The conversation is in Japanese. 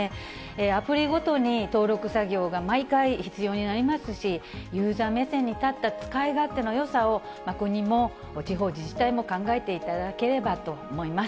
アプリごとに登録作業が毎回必要になりますし、ユーザー目線に立った使い勝手のよさを国も地方自治体も考えていただければと思います。